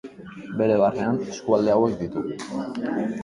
Bere barnean eskualde hauek ditu.